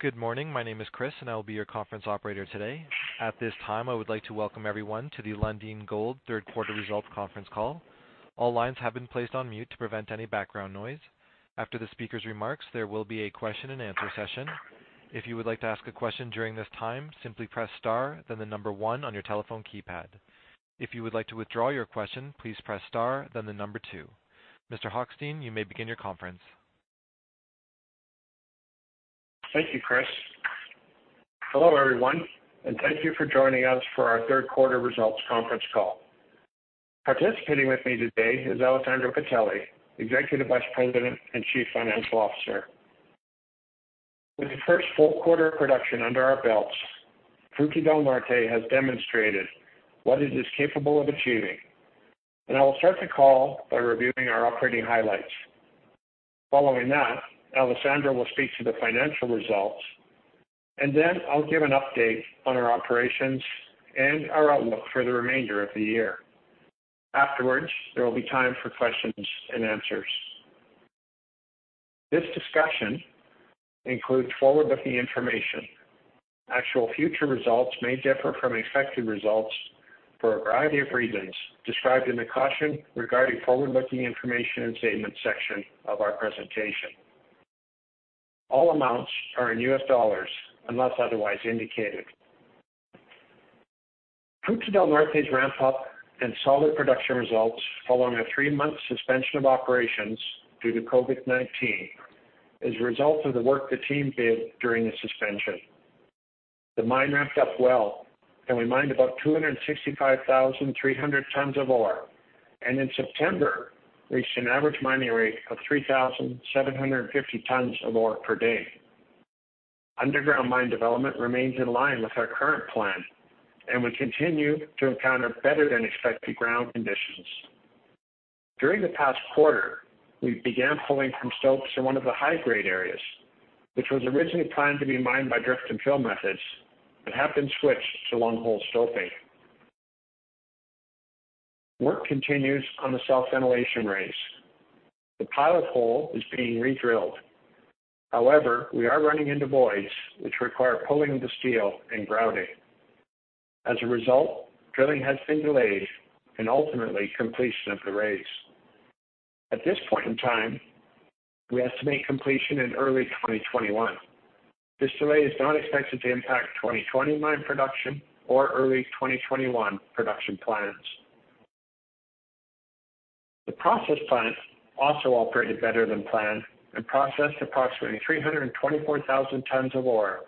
Good morning. My name is Chris, and I will be your conference operator today. At this time, I would like to welcome everyone to the Lundin Gold third quarter results conference call. All lines have been placed on mute to prevent any background noise. After the speaker's remarks, there will be a question-and-answer session. If you would like to ask a question during this time, simply press star one on your telephone keypad. If you would like to withdraw your question, please press star two. Mr. Hochstein, you may begin your conference. Thank you, Chris. Hello, everyone, and thank you for joining us for our third quarter results conference call. Participating with me today is Alessandro Bitelli, Executive Vice President and Chief Financial Officer. With the first full quarter of production under our belts, Fruta del Norte has demonstrated what it is capable of achieving. I will start the call by reviewing our operating highlights. Following that, Alessandro will speak to the financial results, and then I'll give an update on our operations and our outlook for the remainder of the year. Afterwards, there will be time for questions and answers. This discussion includes forward-looking information. Actual future results may differ from expected results for a variety of reasons described in the Caution Regarding Forward-Looking Information and Statements section of our presentation. All amounts are in U.S. dollars unless otherwise indicated. Fruta del Norte's ramp up and solid production results following a three-month suspension of operations due to COVID-19 as a result of the work the team did during the suspension, the mine ramped up well, and we mined about 265,300 tons of ore, and in September reached an average mining rate of 3,750 tons of ore per day. Underground mine development remains in line with our current plan, and we continue to encounter better than expected ground conditions. During the past quarter, we began pulling from stopes in one of the high-grade areas, which was originally planned to be mined by drift and fill methods but have been switched to long hole stoping. Work continues on the south ventilation raise. The pilot hole is being redrilled. However, we are running into voids, which require pulling of the steel and grouting. As a result, drilling has been delayed and ultimately completion of the raise. At this point in time, we estimate completion in early 2021. This delay is not expected to impact 2020 mine production or early 2021 production plans. The process plant also operated better than planned and processed approximately 324,000 tons of ore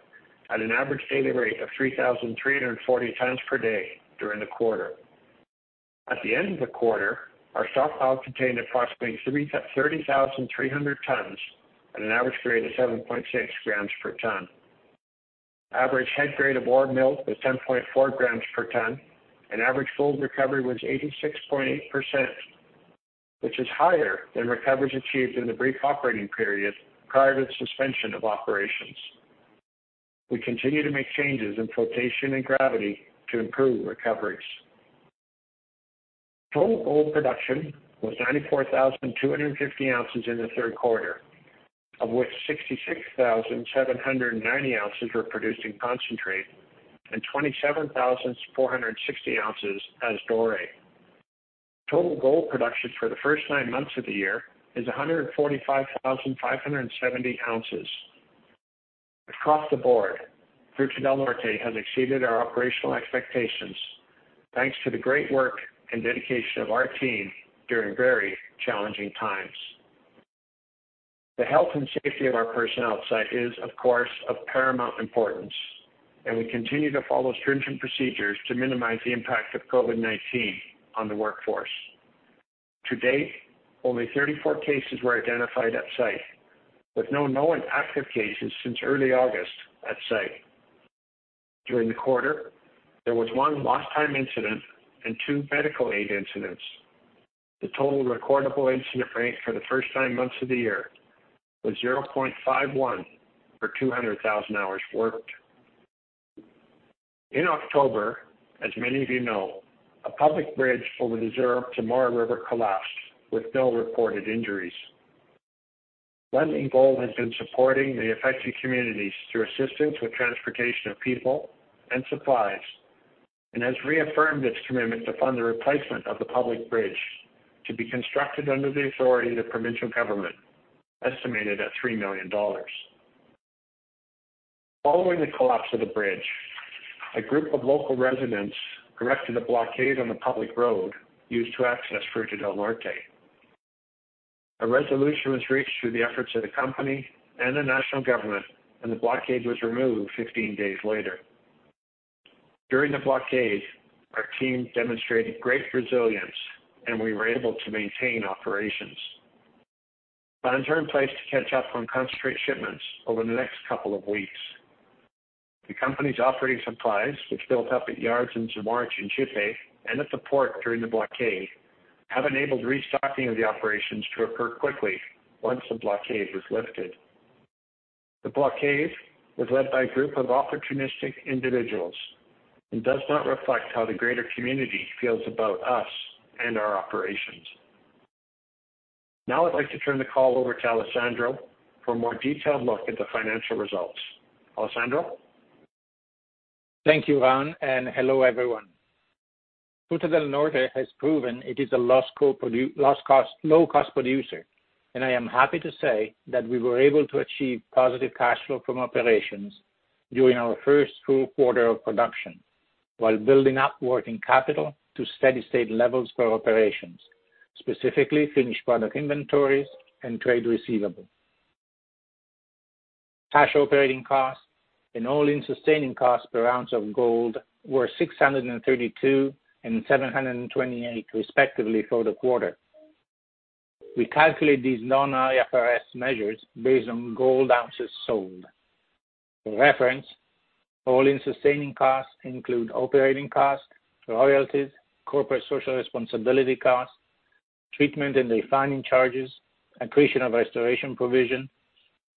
at an average daily rate of 3,340 tons per day during the quarter. At the end of the quarter, our stockpiles contained approximately 30,300 tons at an average grade of 7.6 g per ton. Average head grade of ore milled was 10.4 g per ton, and average gold recovery was 86.8%, which is higher than recoveries achieved in the brief operating period prior to the suspension of operations. We continue to make changes in flotation and gravity to improve recoveries. Total gold production was 94,250 oz in the third quarter, of which 66,790 oz were produced in concentrate and 27,460 oz as doré. Total gold production for the first nine months of the year is 145,570 oz. Across the board, Fruta del Norte has exceeded our operational expectations, thanks to the great work and dedication of our team during very challenging times. The health and safety of our personnel on site is, of course, of paramount importance, and we continue to follow stringent procedures to minimize the impact of COVID-19 on the workforce. To date, only 34 cases were identified at site, with no known active cases since early August at site. During the quarter, there was one lost time incident and two medical aid incidents. The total recordable incident rate for the first nine months of the year was 0.51 for 200,000 hours worked. In October, as many of you know, a public bridge over the Zamora River collapsed with no reported injuries. Lundin Gold has been supporting the affected communities through assistance with transportation of people and supplies and has reaffirmed its commitment to fund the replacement of the public bridge to be constructed under the authority of the provincial government, estimated at $3 million. Following the collapse of the bridge, a group of local residents erected a blockade on the public road used to access Fruta del Norte. The blockade was removed 15 days later. During the blockade, our team demonstrated great resilience, and we were able to maintain operations. A plan is in place to catch up on concentrate shipments over the next couple of weeks. The company's operating supplies, which built up at yards in Zamora, Chinchipe, and at the port during the blockade, have enabled restocking of the operations to occur quickly once the blockade was lifted. The blockade was led by a group of opportunistic individuals and does not reflect how the greater community feels about us and our operations. Now I'd like to turn the call over to Alessandro for a more detailed look at the financial results. Alessandro? Thank you, Ron. Hello, everyone. Fruta del Norte has proven it is a low-cost producer, and I am happy to say that we were able to achieve positive cash flow from operations during our first full quarter of production while building up working capital to steady-state levels for operations, specifically finished product inventories and trade receivables. Cash operating costs and all-in sustaining costs per ounce of gold were $632 and $728 respectively for the quarter. We calculate these non-IFRS measures based on gold ounces sold. For reference, all-in sustaining costs include operating costs, royalties, corporate social responsibility costs, treatment and refining charges, accretion of restoration provision,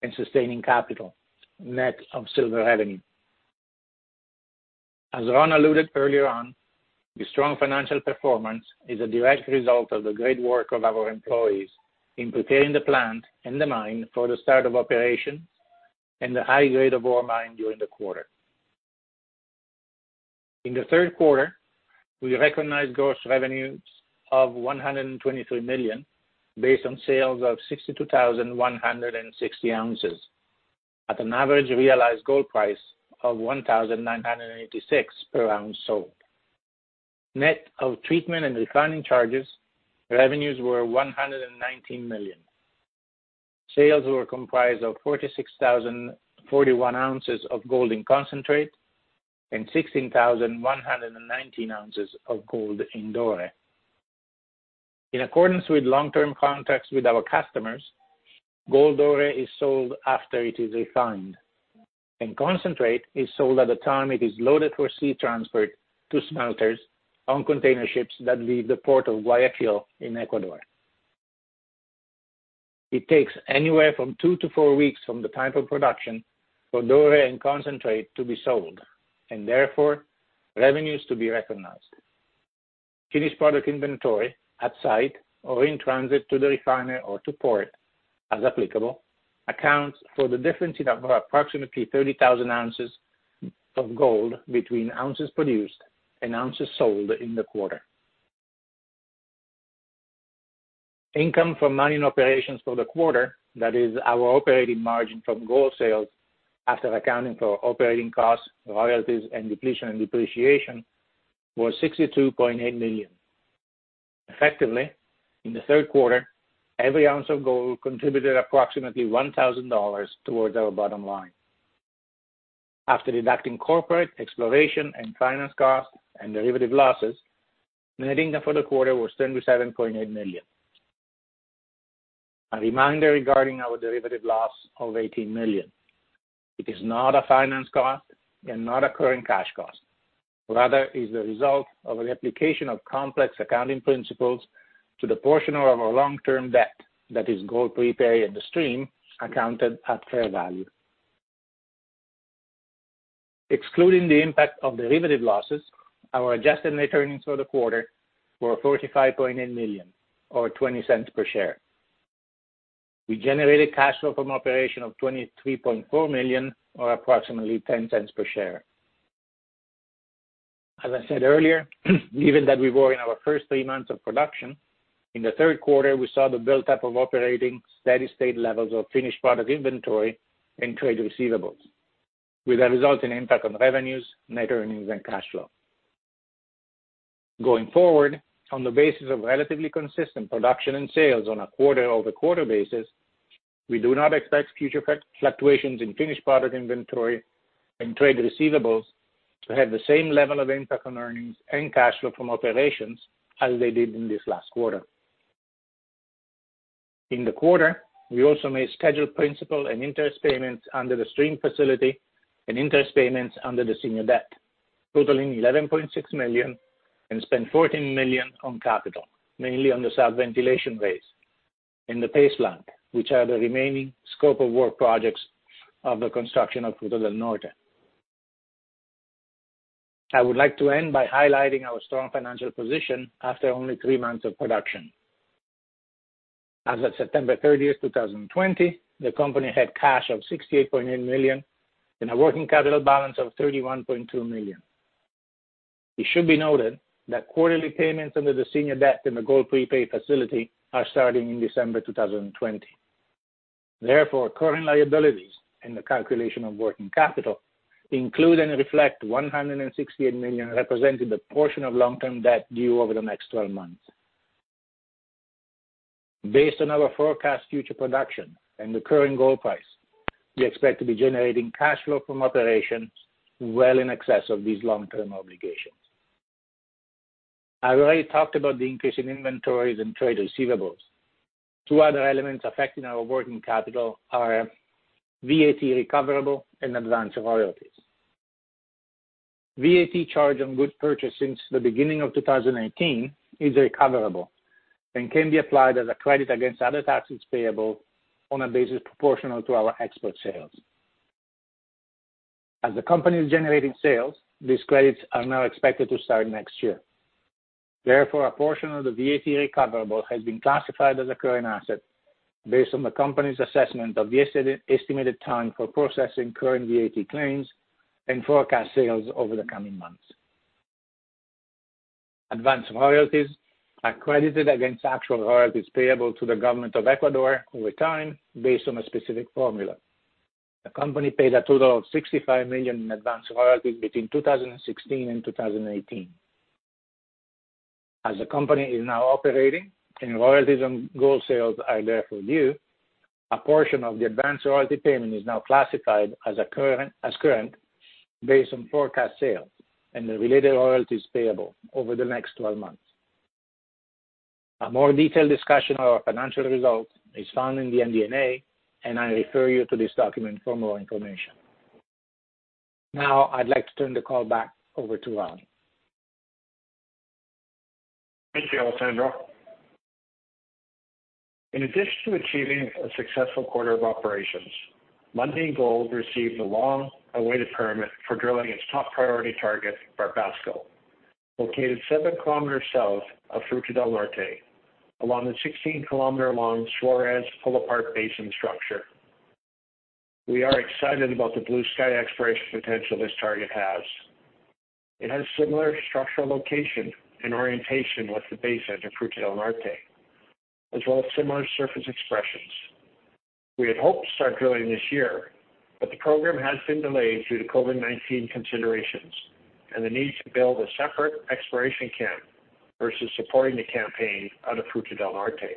and sustaining capital, net of silver revenue. As Ron alluded earlier on, the strong financial performance is a direct result of the great work of our employees in preparing the plant and the mine for the start of operations and the high grade of ore mined during the quarter. In the third quarter, we recognized gross revenues of $123 million, based on sales of 62,160 oz at an average realized gold price of $1,986 per ounce sold. Net of treatment and refining charges, revenues were $119 million. Sales were comprised of 46,041 oz of gold in concentrate and 16,119 oz of gold in doré. In accordance with long-term contracts with our customers, gold ore is sold after it is refined, and concentrate is sold at the time it is loaded for sea transfer to smelters on container ships that leave the port of Guayaquil in Ecuador. It takes anywhere from two to four weeks from the time of production for doré and concentrate to be sold, and therefore, revenues to be recognized. Finished product inventory at site or in transit to the refinery or to port, as applicable, accounts for the difference in approximately 30,000 oz of gold between ounces produced and ounces sold in the quarter. Income from mining operations for the quarter, that is our operating margin from gold sales after accounting for operating costs, royalties, and depletion and depreciation, was $62.8 million. Effectively, in the third quarter, every ounce of gold contributed approximately $1,000 towards our bottom line. After deducting corporate exploration and finance costs and derivative losses, net income for the quarter was $37.8 million. A reminder regarding our derivative loss of $18 million. It is not a finance cost and not a current cash cost. Rather, it is the result of an application of complex accounting principles to the portion of our long-term debt that is gold prepaid stream accounted at fair value. Excluding the impact of derivative losses, our adjusted net earnings for the quarter were $35.8 million or $0.20 per share. We generated cash flow from operation of $23.4 million or approximately $0.10 per share. As I said earlier, given that we were in our first three months of production, in the third quarter, we saw the buildup of operating steady-state levels of finished product inventory and trade receivables, with a resulting impact on revenues, net earnings, and cash flow. Going forward, on the basis of relatively consistent production and sales on a quarter-over-quarter basis, we do not expect future fluctuations in finished product inventory and trade receivables to have the same level of impact on earnings and cash flow from operations as they did in this last quarter. In the quarter, we also made scheduled principal and interest payments under the stream facility and interest payments under the senior debt, totaling $11.6 million, and spent $14 million on capital, mainly on the south ventilation raise and the paste plant, which are the remaining scope of work projects of the construction of Fruta del Norte. I would like to end by highlighting our strong financial position after only three months of production. As of September 30th, 2020, the company had cash of $68.8 million and a working capital balance of $31.2 million. It should be noted that quarterly payments under the senior debt and the gold prepaid facility are starting in December 2020. Therefore, current liabilities in the calculation of working capital include and reflect $168 million representing the portion of long-term debt due over the next 12 months. Based on our forecast future production and the current gold price, we expect to be generating cash flow from operations well in excess of these long-term obligations. I already talked about the increase in inventories and trade receivables. Two other elements affecting our working capital are VAT recoverable and advance of royalties. VAT charge on goods purchased since the beginning of 2018 is recoverable and can be applied as a credit against other taxes payable on a basis proportional to our export sales. As the company is generating sales, these credits are now expected to start next year. Therefore, a portion of the VAT recoverable has been classified as a current asset based on the company's assessment of the estimated time for processing current VAT claims and forecast sales over the coming months. Advanced royalties are credited against actual royalties payable to the government of Ecuador over time based on a specific formula. The company paid a total of $65 million in advanced royalties between 2016 and 2018. As the company is now operating and royalties on gold sales are therefore due, a portion of the advanced royalty payment is now classified as current based on forecast sales and the related royalties payable over the next 12 months. A more detailed discussion of our financial results is found in the MD&A, and I refer you to this document for more information. I'd like to turn the call back over to Ron. Thank you, Alessandro. In addition to achieving a successful quarter of operations, Lundin Gold received the long-awaited permit for drilling its top priority target, Barbasco, located 7 kms south of Fruta del Norte, along the 16-km long Suarez pull-apart basin structure. We are excited about the blue sky exploration potential this target has. It has similar structural location and orientation with the basin of Fruta del Norte, as well as similar surface expressions. The program has been delayed due to COVID-19 considerations and the need to build a separate exploration camp versus supporting the campaign out of Fruta del Norte.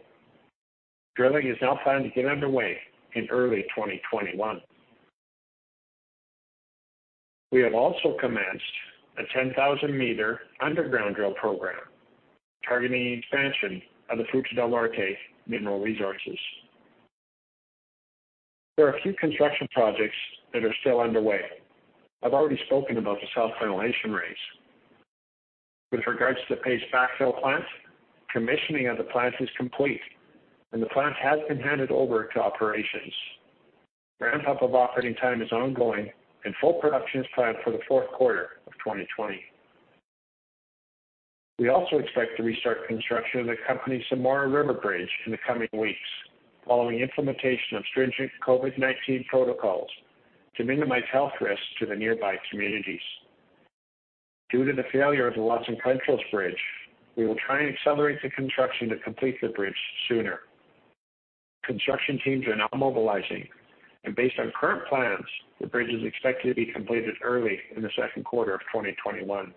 Drilling is now planned to get underway in early 2021. We have also commenced a 10,000-m underground drill program targeting the expansion of the Fruta del Norte mineral resources. There are a few construction projects that are still underway. I've already spoken about the South Ventilation Raise. With regards to the Paste Backfill Plant, commissioning of the plant is complete, and the plant has been handed over to operations. Ramp-up of operating time is ongoing, and full production is planned for the fourth quarter of 2020. We also expect to restart construction of the company's Zamora River bridge in the coming weeks following implementation of stringent COVID-19 protocols to minimize health risks to the nearby communities. Due to the failure of the Los Encuentros bridge, we will try and accelerate the construction to complete the bridge sooner. Construction teams are now mobilizing, and based on current plans, the bridge is expected to be completed early in the second quarter of 2021.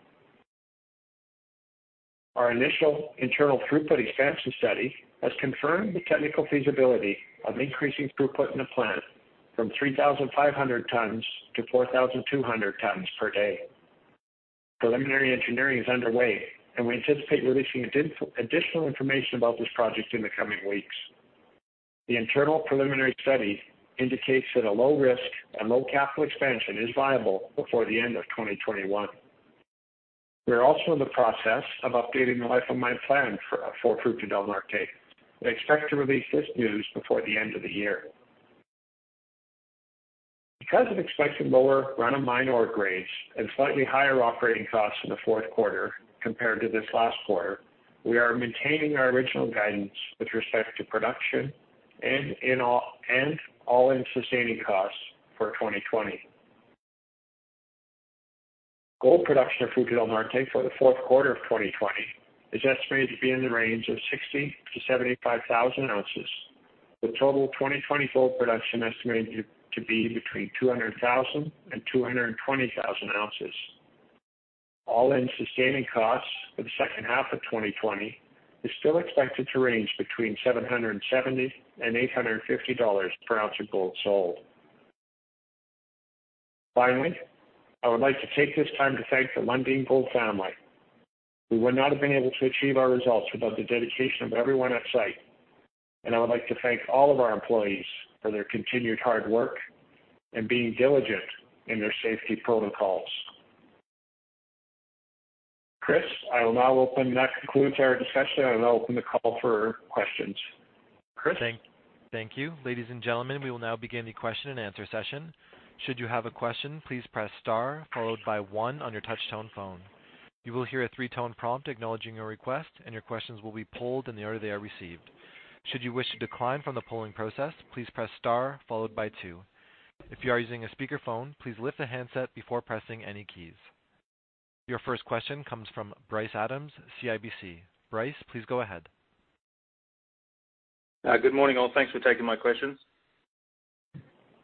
Our initial internal throughput expansion study has confirmed the technical feasibility of increasing throughput in the plant from 3,500 tons to 4,200 tons per day. Preliminary engineering is underway. We anticipate releasing additional information about this project in the coming weeks. The internal preliminary study indicates that a low risk and low capital expansion is viable before the end of 2021. We're also in the process of updating the life of mine plan for Fruta del Norte. We expect to release this news before the end of the year. Because of expected lower run-of-mine ore grades and slightly higher operating costs in the fourth quarter compared to this last quarter, we are maintaining our original guidance with respect to production and all-in sustaining costs for 2020. Gold production at Fruta del Norte for the fourth quarter of 2020 is estimated to be in the range of 60,000 oz-75,000 oz, with total 2020 gold production estimated to be between 200,000 oz and 220,000 oz. all-in sustaining costs for the second half of 2020 is still expected to range between $770 and $850 per ounce of gold sold. Finally, I would like to take this time to thank the Lundin Gold family. We would not have been able to achieve our results without the dedication of everyone on site, and I would like to thank all of our employees for their continued hard work and being diligent in their safety protocols. Chris, that concludes our discussion, and I'll now open the call for questions. Chris? Thank you. Ladies and gentlemen, we will now begin the question-and-answer session. Should you have a question, please press star followed by one on your touch-tone phone. You will hear a three-tone prompt acknowledging your request, and your questions will be polled in the order they are received. Should you wish to decline from the polling process, please press star followed by two. If you are using a speakerphone, please lift the handset before pressing any keys. Your first question comes from Bryce Adams, CIBC. Bryce, please go ahead. Good morning, all. Thanks for taking my questions.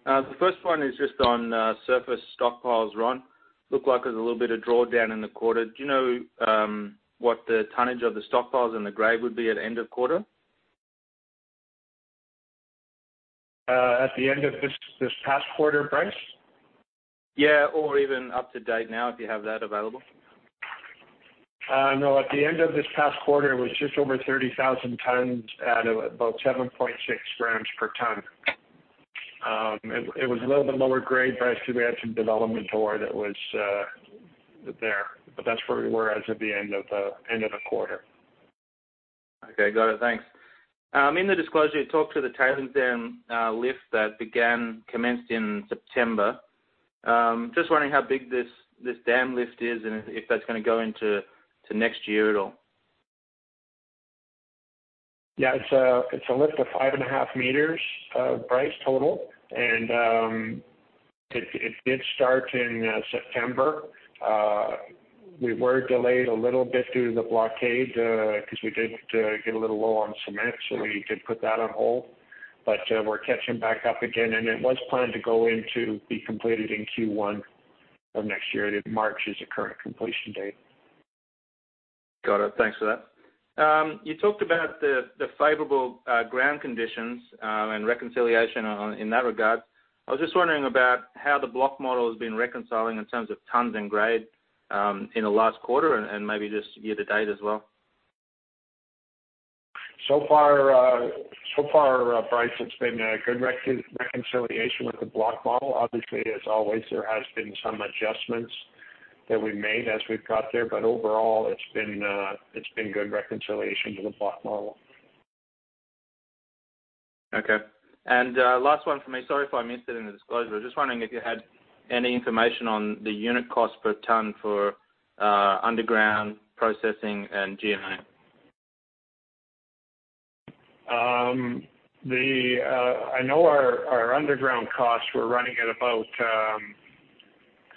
The first one is just on surface stockpiles, Ron. Looked like there was a little bit of drawdown in the quarter. Do you know what the tonnage of the stockpiles and the grade would be at end of quarter? At the end of this past quarter, Bryce? Yeah, or even up to date now, if you have that available. No, at the end of this past quarter, it was just over 30,000 tons at about 7.6 g per ton. It was a little bit lower grade, Bryce. We had some development ore that was there. That's where we were as of the end of the quarter. Okay, got it. Thanks. In the disclosure, it talked to the tailings dam lift that commenced in September. Just wondering how big this dam lift is and if that's going to go into next year at all. Yeah. It's a lift of 5.5 m, Bryce, total. It did start in September. We were delayed a little bit due to the blockade, because we did get a little low on cement, so we did put that on hold. We're catching back up again. It was planned to go in to be completed in Q1 of next year. March is the current completion date. Got it. Thanks for that. You talked about the favorable ground conditions, and reconciliation in that regard. I was just wondering about how the block model has been reconciling in terms of tons and grade, in the last quarter and maybe just year to date as well. So far, Bryce, it's been a good reconciliation with the block model. Obviously, as always, there has been some adjustments that we've made as we've got there. Overall, it's been good reconciliation with the block model. Okay. Last one from me. Sorry if I missed it in the disclosure, just wondering if you had any information on the unit cost per ton for underground processing and G&A? I know our underground costs were running at about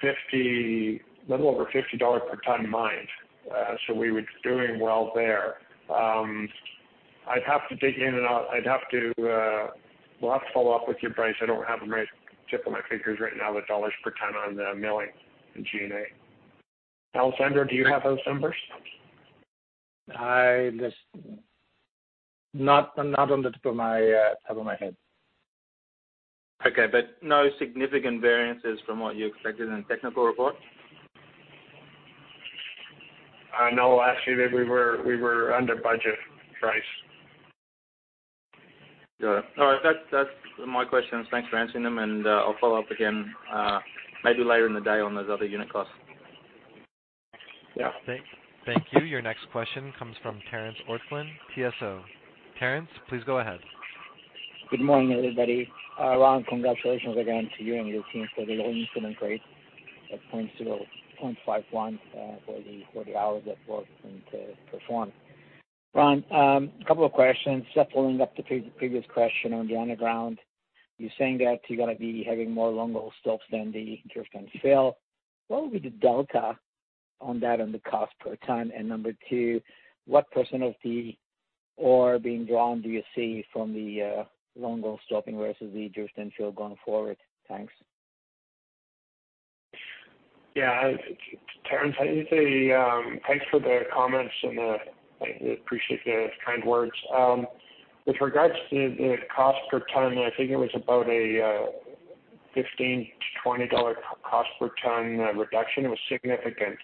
a little over $50 per ton mined. We were doing well there. We'll have to follow up with you, Bryce. I don't have them right tip of my fingers right now, the U.S. dollars per ton on the milling and G&A. Alessandro, do you have those numbers? Not on the top of my head. Okay. No significant variances from what you expected in the technical report? No. Last year, we were under budget, Bryce. Got it. All right. That's my questions. Thanks for answering them. I'll follow up again, maybe later in the day, on those other unit costs. Yeah. Thank you. Your next question comes from Terence Ortslan, TSO. Terence, please go ahead. Good morning, everybody. Ron, congratulations again to you and your team for the really excellent grade of 0.51 for the hours it took them to perform. Ron, a couple of questions. Just following up the previous question on the underground. You're saying that you're going to be having more long hole stoping than the drift and fill. What would be the delta on that, on the cost per ton? Number two, what percent of the ore being drawn do you see from the long hole stoping versus the drift and fill going forward? Thanks. Yeah. Terence, thanks for the comments, and I appreciate the kind words. With regards to the cost per ton, I think it was about a $15-$20 cost per ton reduction. It was significant.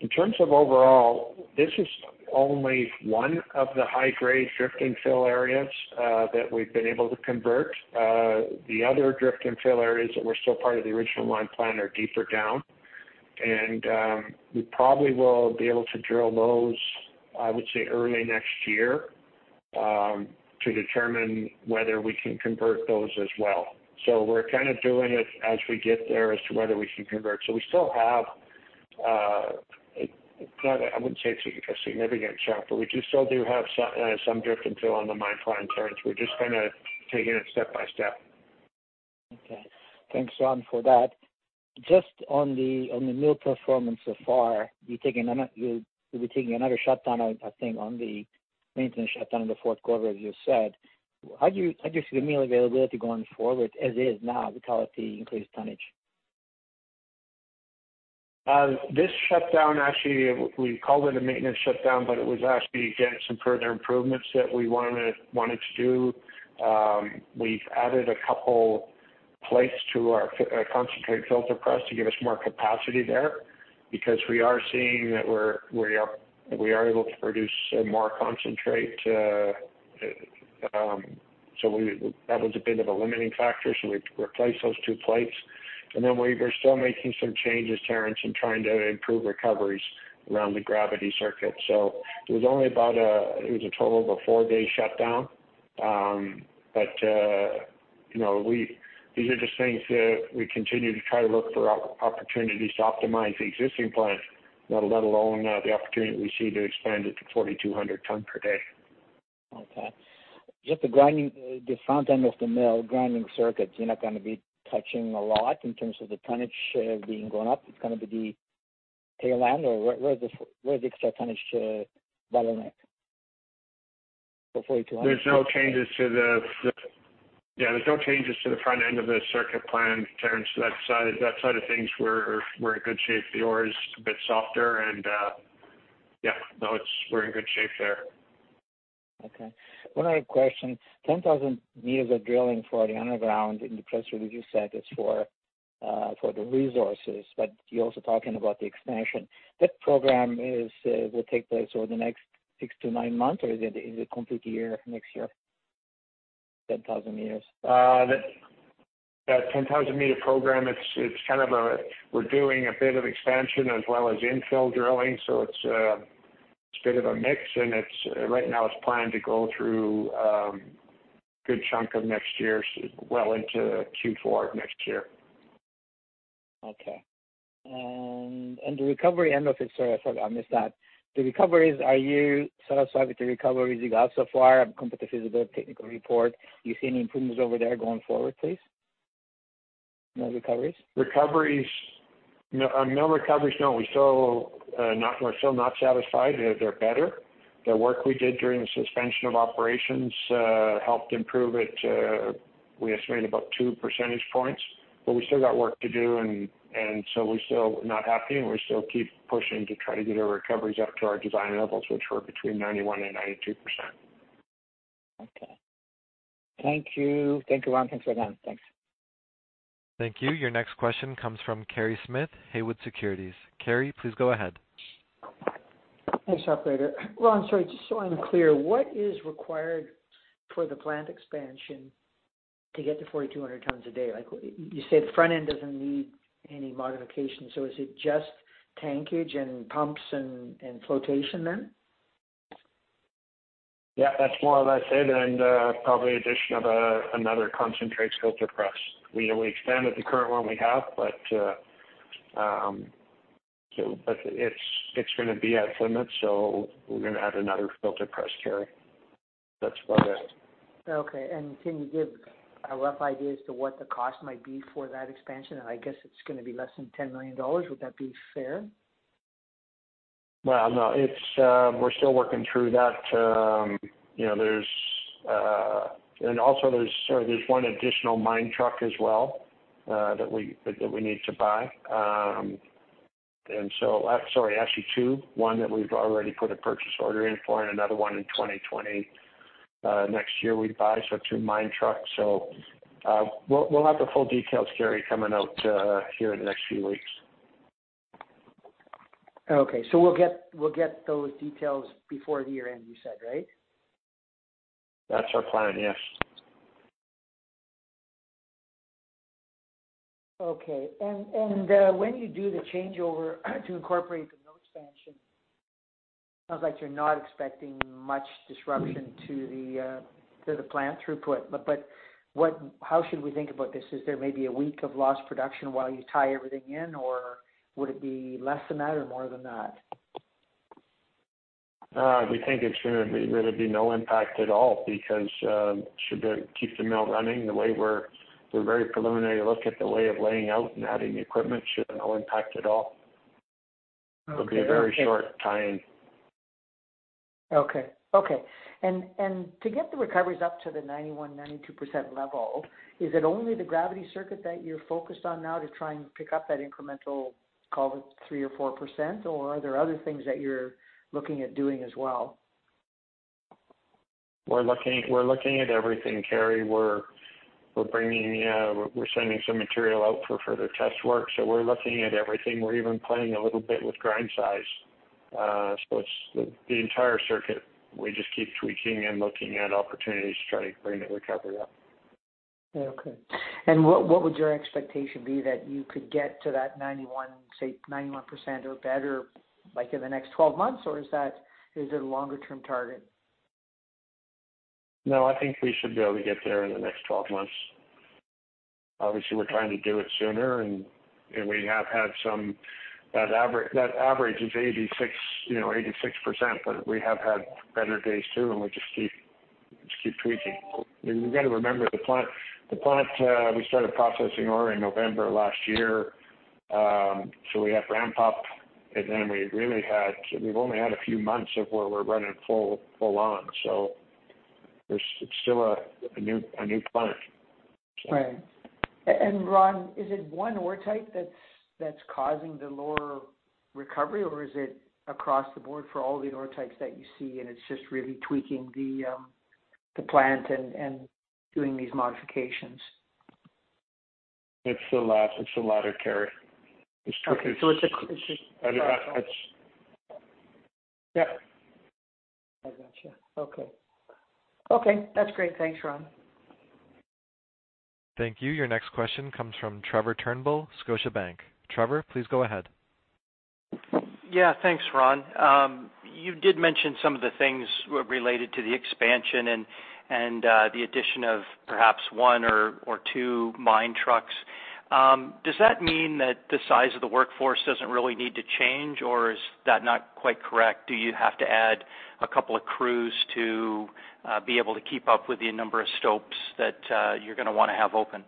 In terms of overall, this is only one of the high-grade drift and fill areas that we've been able to convert. The other drift and fill areas that were still part of the original mine plan are deeper down. We probably will be able to drill those, I would say, early next year, to determine whether we can convert those as well. We're kind of doing it as we get there as to whether we can convert. We still have, I wouldn't say it's a significant chunk, but we just still do have some drift and fill on the mine plan, Terence. We're just kind of taking it step by step. Okay. Thanks, Ron, for that. Just on the mill performance so far, you'll be taking another shutdown, I think, on the maintenance shutdown in the fourth quarter, as you said. How do you see the mill availability going forward as is now with all of the increased tonnage? This shutdown, actually, we called it a maintenance shutdown, but it was actually getting some further improvements that we wanted to do. We've added a couple plates to our concentrate filter press to give us more capacity there, because we are seeing that we are able to produce more concentrate. That was a bit of a limiting factor, so we replaced those two plates. We're still making some changes, Terence, in trying to improve recoveries around the gravity circuit. It was a total of a four-day shutdown. These are just things that we continue to try to look for opportunities to optimize the existing plant, let alone the opportunity we see to expand it to 4,200 ton per day. Okay. Just the front end of the mill grinding circuits, you're not going to be touching a lot in terms of the tonnage being gone up? It's going to be the tail end or where is the extra tonnage bottleneck for 4,200? There's no changes to the front end of the circuit plan, Terence. That side of things, we're in good shape. The ore is a bit softer and yeah, no, we're in good shape there. Okay. One other question. 10,000 m of drilling for the underground in the [press review centers] for the resources. You're also talking about the expansion. That program will take place over the next six to nine months or is it a complete year next year? 10,000 m. That 10,000-m program, we're doing a bit of expansion as well as infill drilling, so it's a bit of a mix, and right now it's planned to go through a good chunk of next year, well into Q4 of next year. Okay. The recovery end of it, sorry, I forgot, I missed that. The recoveries, are you satisfied with the recoveries you got so far? I've gone through the feasibility technical report. Do you see any improvements over there going forward, please? No recoveries? Recoveries. No recoveries, no. We're still not satisfied. They're better. The work we did during the suspension of operations helped improve it, we estimate about two percentage points. We still got work to do, and so we're still not happy, and we still keep pushing to try to get our recoveries up to our design levels, which were between 91% and 92%. Okay. Thank you. Thank you, Ron. Thanks again. Thanks. Thank you. Your next question comes from Kerry Smith, Haywood Securities. Kerry, please go ahead. Thanks, operator. Ron, sorry, just so I'm clear, what is required for the plant expansion to get to 4,200 tons a day? You said the front end doesn't need any modification, so is it just tankage and pumps and flotation then? Yeah, that's more or less it. Probably addition of another concentrate filter press. We expanded the current one we have, but it's going to be at limit, so we're going to add another filter press, Kerry. That's about it. Okay. Can you give a rough idea as to what the cost might be for that expansion? I guess it's going to be less than $10 million. Would that be fair? Well, no. We're still working through that. Also, there's one additional mine truck as well that we need to buy. Sorry, actually two. One that we've already put a purchase order in for and another one in 2020. Next year we'd buy, two mine trucks. We'll have the full details, Kerry, coming out here in the next few weeks. Okay. We'll get those details before the year-end you said, right? That's our plan, yes. Okay. When you do the changeover to incorporate the mill expansion, sounds like you're not expecting much disruption to the plant throughput. How should we think about this? Is there maybe a week of lost production while you tie everything in, or would it be less than that or more than that? We think it should really be no impact at all because should keep the mill running the way we're. We're very preliminary look at the way of laying out and adding equipment should no impact at all. Okay. It'll be a very short tie-in. Okay. To get the recoveries up to the 91%, 92% level, is it only the gravity circuit that you're focused on now to try and pick up that incremental, call it 3% or 4%? Or are there other things that you're looking at doing as well? We're looking at everything, Kerry. We're sending some material out for further test work, so we're looking at everything. We're even playing a little bit with grind size. It's the entire circuit. We just keep tweaking and looking at opportunities to try to bring the recovery up. Okay. What would your expectation be that you could get to that 91%, say 91% or better, like in the next 12 months, or is it a longer-term target? No, I think we should be able to get there in the next 12 months. Obviously, we're trying to do it sooner, and we have had some. That average is 86%, but we have had better days, too, and we just keep tweaking. You got to remember the plant, we started processing ore in November last year. We had ramped up, and then we've only had a few months of where we're running full on. It's still a new plant. Right. Ron, is it one ore type that's causing the lower recovery, or is it across the board for all the ore types that you see and it's just really tweaking the plant and doing these modifications? It's the latter, Kerry. Okay. It's- I got you. Okay. Okay, that's great. Thanks, Ron. Thank you. Your next question comes from Trevor Turnbull, Scotiabank. Trevor, please go ahead. Thanks, Ron. You did mention some of the things related to the expansion and the addition of perhaps one or two mine trucks. Does that mean that the size of the workforce doesn't really need to change, or is that not quite correct? Do you have to add a couple of crews to be able to keep up with the number of stopes that you're going to want to have open?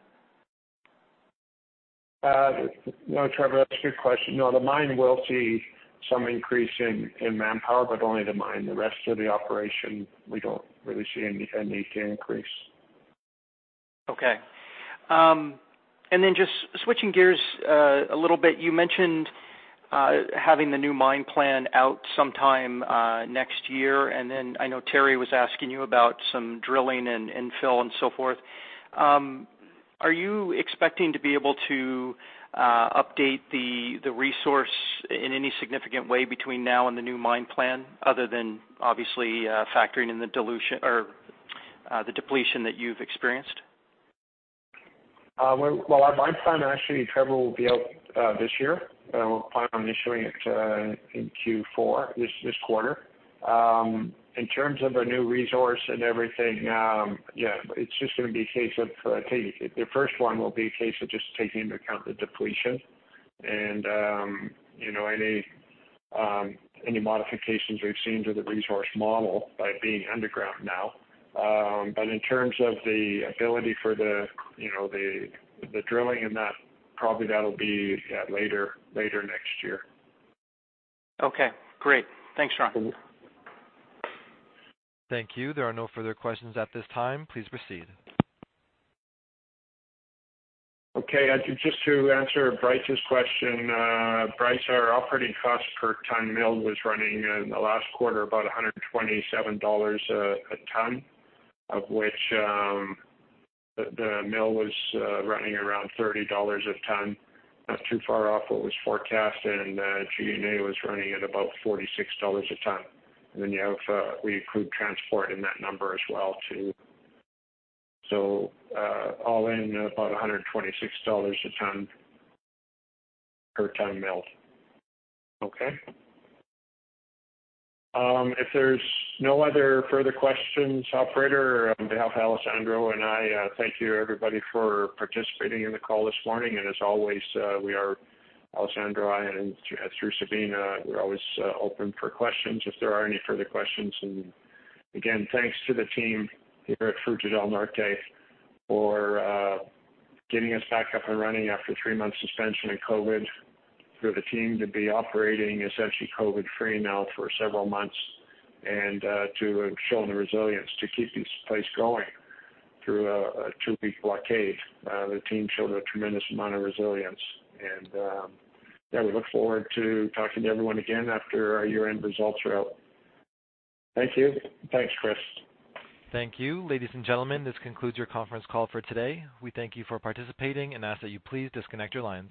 No, Trevor, that's a good question. No, the mine will see some increase in manpower, but only the mine. The rest of the operation, we don't really see any need to increase. Okay. Just switching gears a little bit, you mentioned having the new mine plan out sometime next year. I know Terry was asking you about some drilling and infill and so forth. Are you expecting to be able to update the resource in any significant way between now and the new mine plan, other than obviously factoring in the depletion that you've experienced? Well, our mine plan actually, Trevor, will be out this year. We're planning on issuing it in Q4, this quarter. In terms of a new resource and everything, yeah, the first one will be a case of just taking into account the depletion and any modifications we've seen to the resource model by being underground now. In terms of the ability for the drilling and that, probably that'll be later next year. Okay, great. Thanks, Ron. Thank you. There are no further questions at this time. Please proceed. Okay. Just to answer Bryce's question. Bryce, our operating cost per tonne milled was running in the last quarter, about $127 a tonne, of which the mill was running around $30 a tonne, not too far off what was forecasted, and G&A was running at about $46 a tonne. We include transport in that number as well, too. All in about $126 a tonne, per tonne milled. Okay. If there's no other further questions, operator, on behalf of Alessandro and I, thank you everybody for participating in the call this morning, and as always Alessandro and I, and through Sabina, we're always open for questions if there are any further questions. Again, thanks to the team here at Fruta del Norte for getting us back up and running after a three-month suspension in COVID. For the team to be operating essentially COVID free now for several months, and to have shown the resilience to keep this place going through a two-week blockade. The team showed a tremendous amount of resilience. Yeah, we look forward to talking to everyone again after our year-end results are out. Thank you. Thanks, Chris. Thank you. Ladies and gentlemen, this concludes your conference call for today. We thank you for participating and ask that you please disconnect your lines.